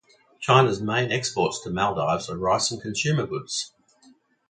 China's main exports to Maldives are rice and consumer goods.